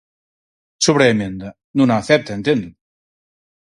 Sobre a emenda: non a acepta, entendo.